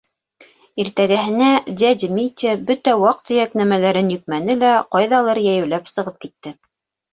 Иртәгеһенә дядя Митя бөтә ваҡ-төйәк нәмәләрен йөкмәне лә ҡайҙалыр йәйәүләп сығып китте.